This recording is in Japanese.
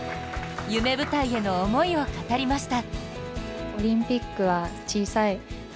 夢舞台への思いを語りました。